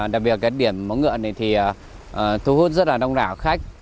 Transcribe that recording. đặc biệt là cái điểm móng ngựa này thì thu hút rất là đông đảo khách